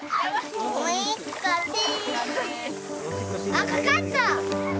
あっかかった！